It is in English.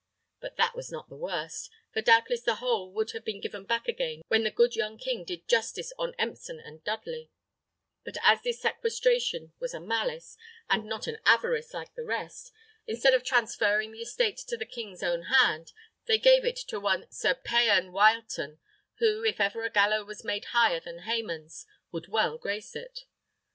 But that was not the worst, for doubtless the whole would have been given back again when the good young king did justice on Empson and Dudley; but as this sequestration was a malice, and not an avarice like the rest, instead of transferring the estate to the king's own hand, they gave it to one Sir Payan Wileton, who, if ever a gallows was made higher than Haman's, would well grace it.